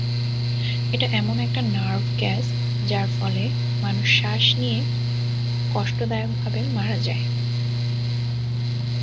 এটা এমন একটা নার্ভ গ্যাস যার ফলে মানুষ শ্বাস নিয়ে কষ্টদায়কভাবে মারা যায়।